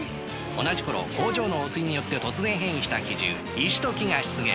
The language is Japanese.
同じころ工場の汚水によって突然変異した奇獣石と樹が出現。